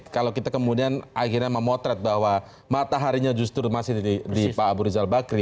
kalau kita kemudian akhirnya memotret bahwa mataharinya justru masih di pak abu rizal bakri